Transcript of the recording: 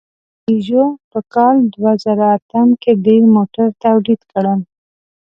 پيژو په کال دوهزرهاتم کې ډېر موټر تولید کړل.